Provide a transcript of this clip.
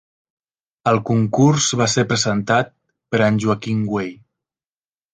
El Concurs va ser presentat per en Joaquim Güell.